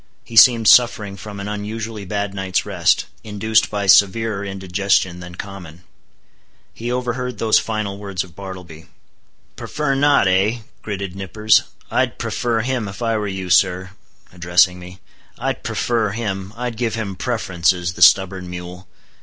He seemed suffering from an unusually bad night's rest, induced by severer indigestion than common. He overheard those final words of Bartleby. "Prefer not, eh?" gritted Nippers—"I'd prefer him, if I were you, sir," addressing me—"I'd prefer him; I'd give him preferences, the stubborn mule!